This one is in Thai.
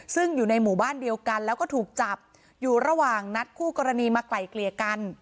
ซึ่งอยู่ในหมู่บ้านเดียวกันแล้วก็ถูกจับอยู่ระหว่างนัดคู่กรณีมาไกลเกลี่ยกัน